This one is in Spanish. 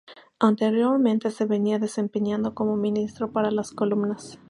Anteriormente se venía desempeñando como Ministro para las Comunas.